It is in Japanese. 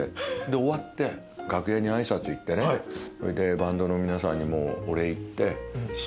終わって楽屋にあいさつ行ってバンドの皆さんにもお礼言って。